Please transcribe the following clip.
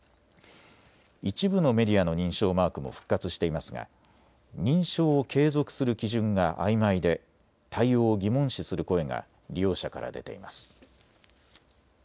一部のメディアの認証マークも復活していますが認証を継続する基準があいまいで対応を疑問視する声が利用者から出ています。